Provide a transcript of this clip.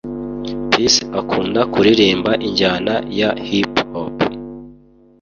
Peace akunda kuririmba injyana ya hiphop